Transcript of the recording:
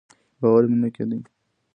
باور مې نه کېده.